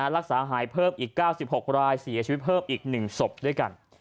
รักษาหายเพิ่มอีก๙๖รายเสียชีวิตเพิ่มอีก๑ศพด้วยกัน